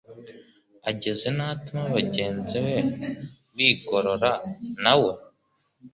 ageza n’aho atuma abanzi be bigorora na we